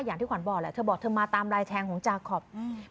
อย่างที่ขวัญบอกแหละเธอบอกเธอมาตามลายแทงของจาคอปอืม